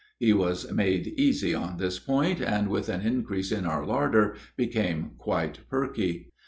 He was made easy on this point, and, with an increase in our larder, became quite perky.